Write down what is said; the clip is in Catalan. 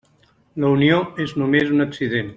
La Unió és només un accident.